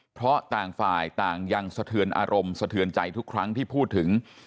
เพราะต่างฝ่ายต่างยังสะเทือนอารมณ์สะเทือนใจทุกครั้งที่พูดถึง